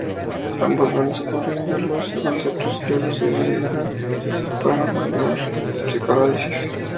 Ambos van descubriendo los conceptos que luego servirían para fundar el psicoanálisis.